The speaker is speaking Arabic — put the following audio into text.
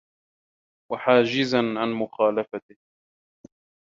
وَحَاجِزًا عَنْ مُخَالَفَتِهِ